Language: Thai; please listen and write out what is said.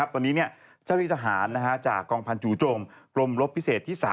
ตอนนี้เจ้าที่ทหารจากกองพันธูจงกรมรบพิเศษที่๓